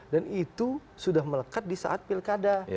dan itu sudah melekat di saat pilkada